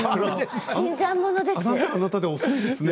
新参者です。